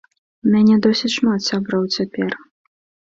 У мяне досыць шмат сяброў цяпер.